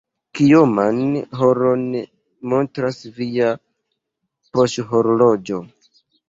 Kioman horon montras via poŝhorloĝo?